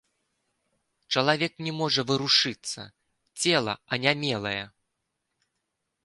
Чалавек не можа варушыцца, цела анямелае.